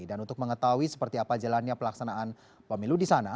dan untuk mengetahui seperti apa jalannya pelaksanaan pemilu di sana